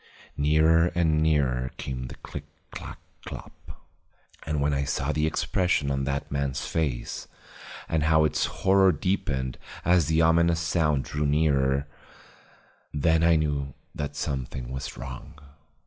Nearer and nearer came the click clack clop. And when I saw the expression of that man's face and how its horror deepened as the ominous sound drew nearer, then I knew that something was wrong.